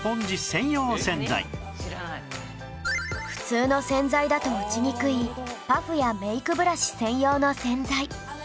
普通の洗剤だと落ちにくいパフやメイクブラシ専用の洗剤